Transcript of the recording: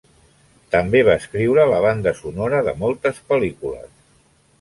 També va escriure la banda sonora de moltes pel·lícules.